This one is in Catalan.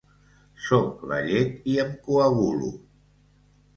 Sóc la llet i em coagulo.